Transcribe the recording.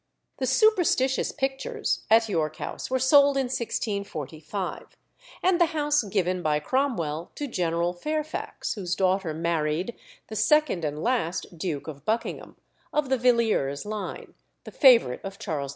The "superstitious pictures" at York House were sold in 1645, and the house given by Cromwell to General Fairfax, whose daughter married the second and last Duke of Buckingham, of the Villiers line, the favourite of Charles II.